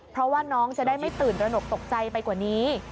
เพราะว่าน้องจะได้ไม่ตื่นตระหนกตกใจไปกว่านี้